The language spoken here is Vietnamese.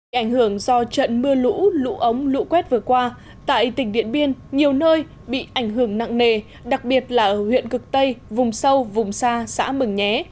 bị ảnh hưởng do trận mưa lũ lũ ống lũ quét vừa qua tại tỉnh điện biên nhiều nơi bị ảnh hưởng nặng nề đặc biệt là ở huyện cực tây vùng sâu vùng xa xã mường nhé